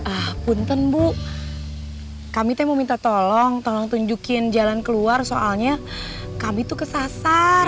ah punten bu kami mau minta tolong tolong tunjukin jalan keluar soalnya kami tuh kesasar